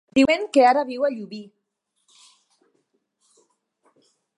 Diuen que ara viu a Llubí.